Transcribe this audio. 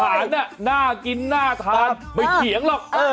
อาหารน่ากินน่าทานไม่เขียนหรอก